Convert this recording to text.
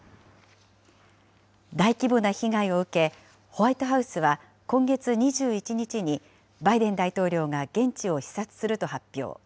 大規模な被害を受け、ホワイトハウスは今月２１日に、バイデン大統領が現地を視察すると発表。